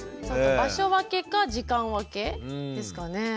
そうか場所分けか時間分けですかね。